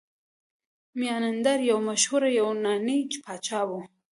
میناندر یو مشهور یوناني پاچا و